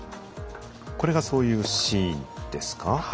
これがそういうシーンですか？